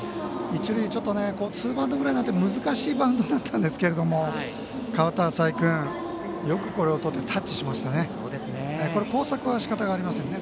一塁もツーバウンドぐらいになって難しいバウンドになったんですけど代わった浅井君よくこれをとってタッチしましたね。